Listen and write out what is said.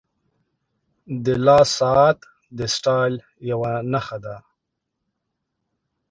• د لاس ساعت د سټایل یوه نښه ده.